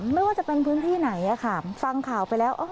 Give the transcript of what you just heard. ไม่ว่าจะเป็นพื้นที่ไหนฟังข่าวไปแล้ว